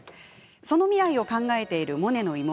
その未来を考えているモネの妹